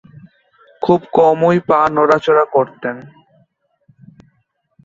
খুব কমই পা নড়াচড়া করতেন।